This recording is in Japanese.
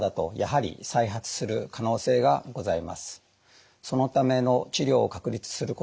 はい。